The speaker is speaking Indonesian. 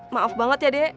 maaf banget ya de